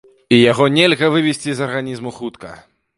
І яго нельга вывесці з арганізму хутка.